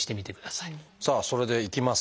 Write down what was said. さあそれで行きます。